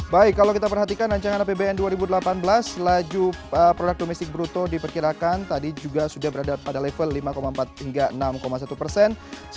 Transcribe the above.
baik kalau kita perhatikan rancangan apbn dua ribu delapan belas laju produk domestik bruto diperkirakan tadi juga sudah berada pada level lima empat hingga enam satu persen